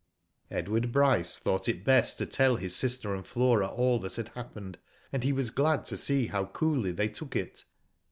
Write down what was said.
Edward Bryce thought it best to tell his sister and Flora all that had happened, and he was glad to see how coolly they took it.